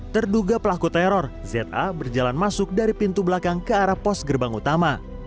terduga pelaku teror za berjalan masuk dari pintu belakang ke arah pos gerbang utama